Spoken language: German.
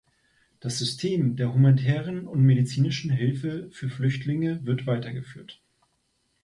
Das System der humanitären und medizinischen Hilfe für die Flüchtlinge wird weitergeführt.